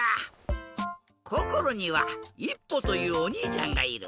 こころにはいっぽというおにいちゃんがいる。